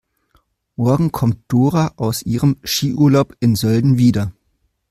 Morgen kommt Dora aus ihrem Skiurlaub in Sölden wieder.